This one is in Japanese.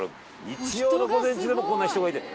日曜の午前中でもこんな人がいて。